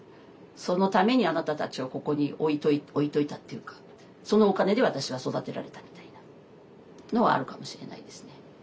そのためにあなたたちをここに置いといたっていうかそのお金で私は育てられたみたいなのはあるかもしれないですね。